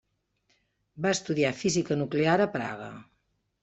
Va estudiar física nuclear a Praga.